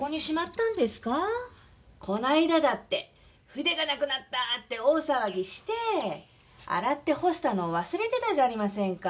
こないだだって「筆がなくなった」って大さわぎしてあらってほしたのをわすれてたじゃありませんか。